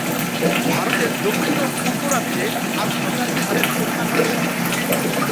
ভারতের দক্ষিণ ও পূর্ব রাজ্যে আত্মঘাতী হারের পরিমাণ বেশি।